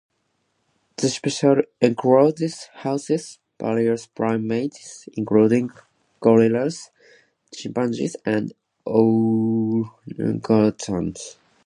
The special enclosure houses various primates, including gorillas, chimpanzees and orangutans.